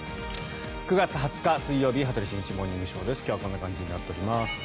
９月２０日、水曜日「羽鳥慎一モーニングショー」。今日はこんな感じになっております。